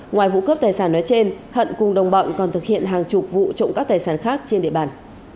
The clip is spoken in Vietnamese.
ngoài vụ cướp tài sản nói trên hận cùng đồng bọn còn thực hiện hàng chục vụ trộm cắp tài sản khác trên địa bàn